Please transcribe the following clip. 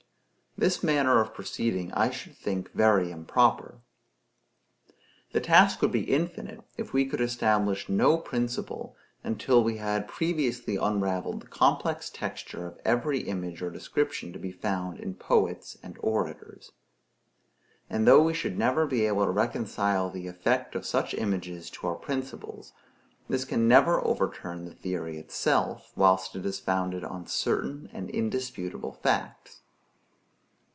This manner of proceeding I should think very improper. The task would be infinite, if we could establish no principle until we had previously unravelled the complex texture of every image or description to be found in poets and orators. And though we should never be able to reconcile the effect of such images to our principles, this can never overturn the theory itself, whilst it is founded on certain and indisputable facts.